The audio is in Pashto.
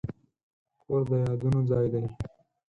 کور د یادونو ځای دی.